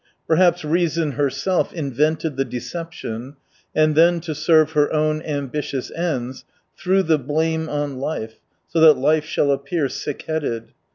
Per haps reason herself invented the deception, and then to serve her own ambitious ends, threw the blame on life, so that life shall appear sick headed.